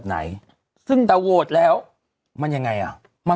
เขาถามแบบนี้